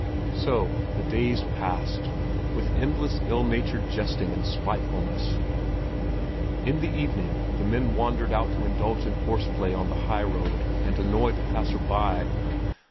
So the day passed, with endless ill natured jesting and spitefulness. In the evening the men wandered out to indulge in horse play on the high road and annoy the passersby.